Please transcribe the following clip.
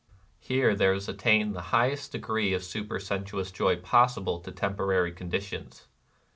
Here there is attained the highest degree of supersensuous joy possible to tem porary conditions.